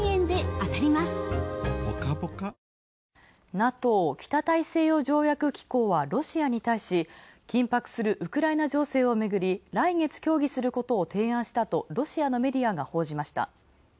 ＮＡＴＯ＝北大西洋条約機構は、ロシアに対し、緊迫するウクライナ情勢をめぐり、来月協議することをロシアのメディアが報じました。